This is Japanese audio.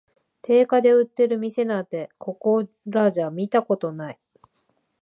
定価で売ってる店なんて、ここらじゃ見たことない